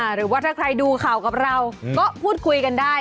หรือว่าถ้าใครดูข่าวกับเราก็พูดคุยกันได้